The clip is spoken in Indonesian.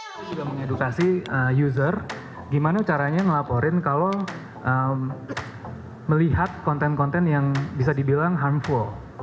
kami juga mengedukasi user gimana caranya melaporin kalau melihat konten konten yang bisa dibilang harmful